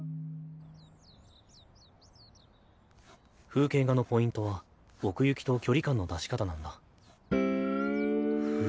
風景画のポイントは奥行きと距離感の出し方なんだ。